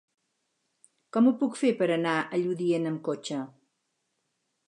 Com ho puc fer per anar a Lludient amb cotxe?